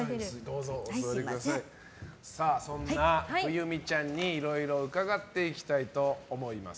そんな冬美ちゃんに、いろいろ伺っていきたいと思います。